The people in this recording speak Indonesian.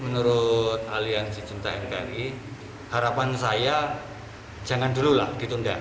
menurut kami menurut aliansi cinta nki harapan saya jangan dulu lah ditunda